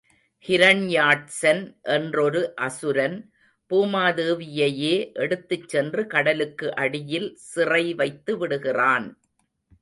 ஹிரண்யாட்சன் என்றொரு அசுரன், பூமாதேவியையே எடுத்துச் சென்று கடலுக்கு அடியில் சிறை வைத்து விடுகிறான்.